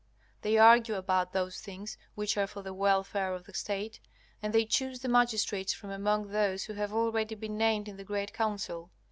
They argue about those things which are for the welfare of the State, and they choose the magistrates from among those who have already been named in the great Council.